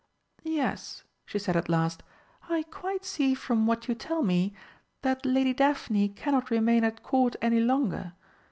"Yes," she said at last, "I quite see from what you tell me, that Lady Daphne cannot remain at Court any longer.